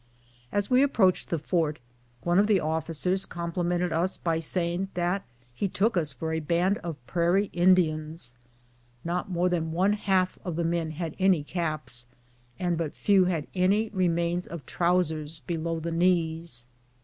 As we approached the fort, one of the officers compli mented us by saying that he took us for a band of prairie Indians. Not more than one half of the men had any caps, and but few had any remains of trowsers below the knees.